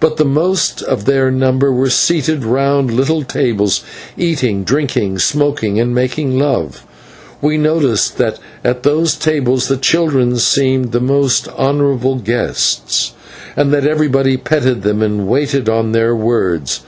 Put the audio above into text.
But the most of their number were seated round little tables eating, drinking, smoking, and making love, and we noticed that at these tables the children seemed the most honourable guests, and that everybody petted them and waited on their words.